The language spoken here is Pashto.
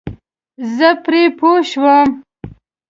زه پرې پوه شوم.